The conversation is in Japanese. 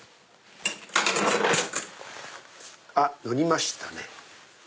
あっ生みましたね。